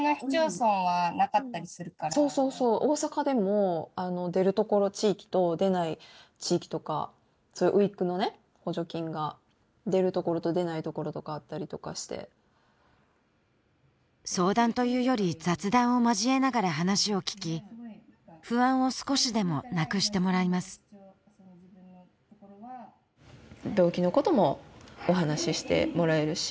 そうそうそう大阪でも出るところ地域と出ない地域とかそういうウィッグのね補助金が出るところと出ないところとかあったりとかして相談というより雑談を交えながら話を聞き不安を少しでもなくしてもらいます病気のこともお話ししてもらえるし